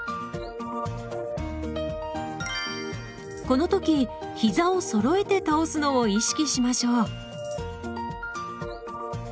この時ひざをそろえて倒すのを意識しましょう。